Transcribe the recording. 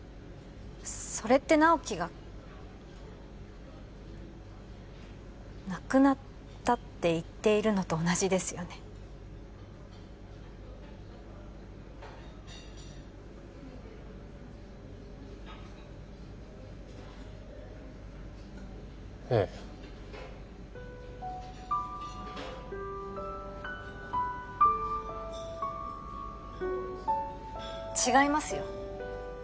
それって直木が亡くなったって言っているのと同じですよねええ違いますよ